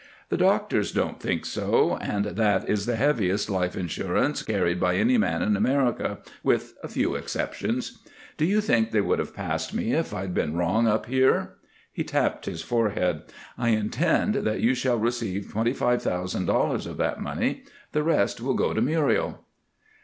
"The doctors didn't think so, and that is the heaviest life insurance carried by any man in America, with a few exceptions. Do you think they would have passed me if I'd been wrong up here?" He tapped his forehead. "I intend that you shall receive twenty five thousand dollars of that money; the rest will go to Muriel."